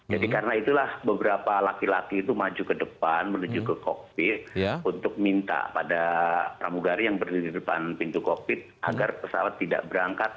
jadi karena itulah beberapa laki laki itu maju ke depan menuju ke kokpit untuk minta pada pramugari yang berada di depan pintu kokpit agar pesawat tidak berangkat